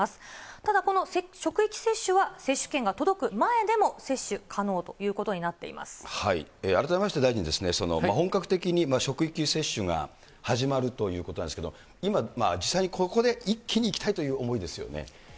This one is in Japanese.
ただこの、職域接種は接種券が届く前でも、接種可能ということに改めまして、大臣、本格的に職域接種が始まるということなんですけど、今、実際にここで一気にいきたいという思いですよね。